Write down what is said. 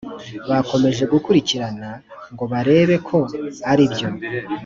bakomeje gukurikirana ngo barebe ko aribyo